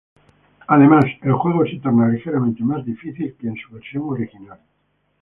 Además, el juego se torna ligeramente más difícil que en su versión original.